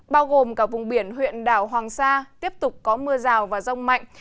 bao gồm cả vùng biển huyện đảo hoàng sa tiếp tục có mưa rào và rông mạnh